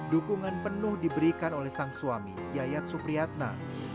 dukungan penuh diberikan oleh sang suami yayat supriyatna